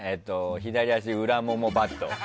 左足裏ももバット。